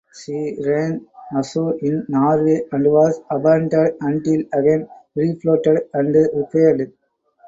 She ran ashore in Norway and was abandoned until again refloated and repaired.